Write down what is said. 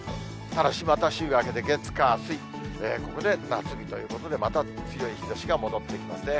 ただし、また週明けて月、火、水、ここで夏日ということで、また強い日ざしが戻ってきますね。